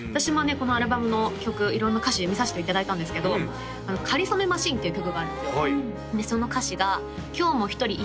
このアルバムの曲色んな歌詞見させていただいたんですけど「カリソメマシン」っていう曲があるんですよ